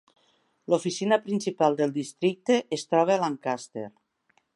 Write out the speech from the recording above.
L'oficina principal del districte es troba a Lancaster.